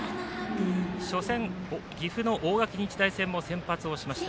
初戦、岐阜の大垣日大戦も先発をしました。